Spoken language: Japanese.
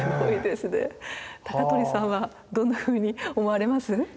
高取さんはどんなふうに思われます？